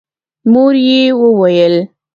مور يې وويل: